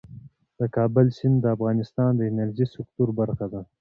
د کابل سیند د افغانستان د انرژۍ سکتور برخه ده.